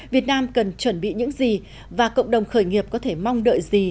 việt nam cần chuẩn bị những gì và cộng đồng khởi nghiệp có thể mong đợi gì